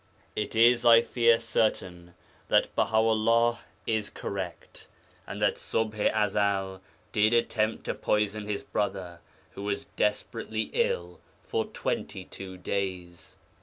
It is, I fear, certain that Baha 'ullah is correct, and that Ṣubḥ i Ezel did attempt to poison his brother, who was desperately ill for twenty two days.